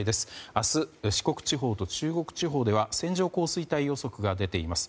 明日、四国地方と中国地方では線状降水帯予測が出ています。